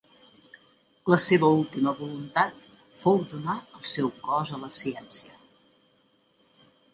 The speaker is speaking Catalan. La seva última voluntat fou donar el seu cos a la ciència.